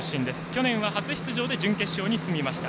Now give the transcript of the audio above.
去年は初出場で準決勝に進みました。